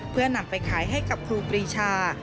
เพื่อนำไปขายให้กับครูปรีชา